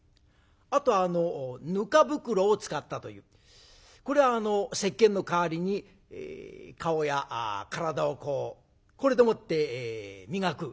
あとぬか袋を使ったというこれはせっけんの代わりに顔や体をこうこれでもって磨く。